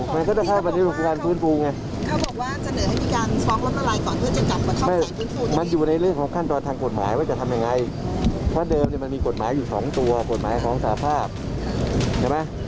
มันอยู่ในเรื่องของขั้นตอนทางกฎหมายว่าจะทำยังไงเพราะเดิมมันมีกฎหมายอยู่๒ตัวกฎหมายของสาธาภาพ